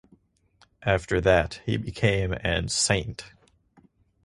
After that he became an Saint.